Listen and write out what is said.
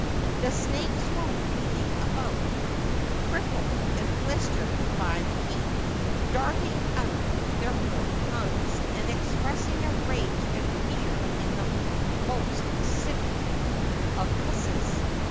The snakes were writhing about, crippled and blistered by the heat, darting out their forked tongues, and expressing their rage and fear in the most sibilant of hisses.